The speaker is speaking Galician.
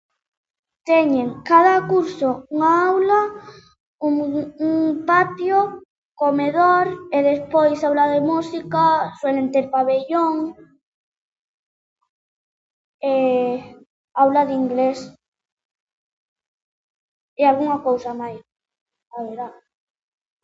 Teñen cada curso unha aula, un un patio, comedor e despois aula de música, suelen ter pabellón e aula de inglés e algunha cousa máis haberá.